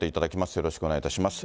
よろしくお願いします。